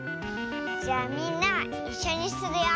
じゃみんないっしょにするよ。